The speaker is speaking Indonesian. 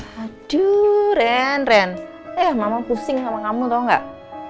haduh ren ren eh mama pusing sama kamu tau gak